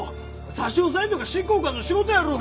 差し押さえるのが執行官の仕事やろうが！